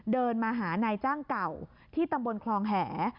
เดินมาหานายจ้างเก่าที่ตำบลคลองแห